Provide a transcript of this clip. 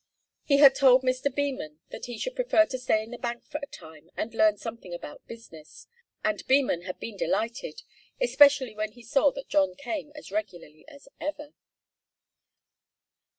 He had told Mr. Beman that he should prefer to stay in the bank for a time and learn something about business, and Beman had been delighted, especially when he saw that John came as regularly as ever.